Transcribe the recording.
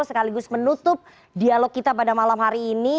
sekaligus menutup dialog kita pada malam hari ini